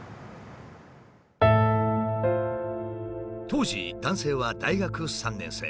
当時男性は大学３年生。